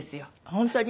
本当に？